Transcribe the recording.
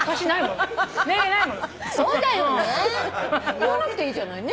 言わなくていいじゃないね。